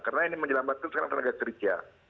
karena ini menyelamatkan sekarang tenaga kerja